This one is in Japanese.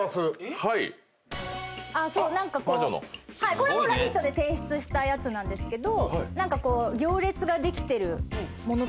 これも『ラヴィット！』で提出したやつなんですけど。